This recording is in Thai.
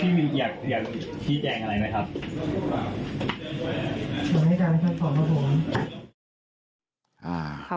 พี่วิทย์อยากพี่แจงอะไรไหมครับ